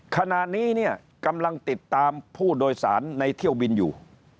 ขณะนี้เนี่ยกำลังติดตามผู้โดยสารในเที่ยวบินอยู่